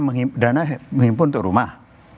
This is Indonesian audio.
ini dana mengimpun untuk rumah